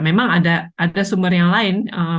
memang ada sumber yang lain